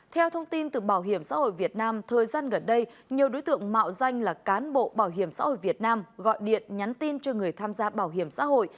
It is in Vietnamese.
theo thông tin từ bảo hiểm xã hội việt nam thời gian gần đây nhiều đối tượng mạo danh là cán bộ bảo hiểm xã hội việt nam gọi điện nhắn tin cho người tham gia bảo hiểm xã hội